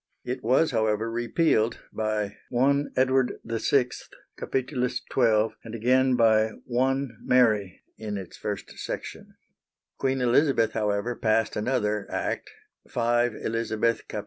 It was however repealed by I Edward VI Cap. 12, and again by I Mary (in its first section.). Queen Elizabeth, however, passed another Act (5 Elizabeth Cap.